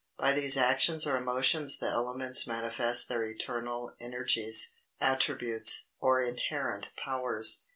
By these actions or emotions the elements manifest their eternal energies, attributes, or inherent powers.